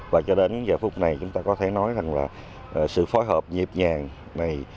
và cho đến giờ phút này chúng ta có thể nói rằng là sự phối hợp nhịp nhàng này